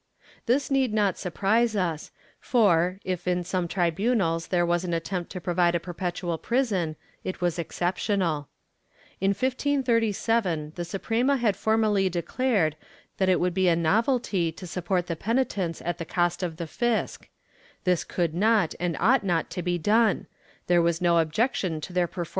This need not surprise us for, if in some tribunals there was an attempt to provide a perpetual prison, it was exceptional. In 1537 the Suprema had formally declared that it would be a novelty to support the penitents at the cost of the fisc ; this could not and ought not to be done; there was no objection to their performing ' Archive de Simancas, Inquisicion, Lib.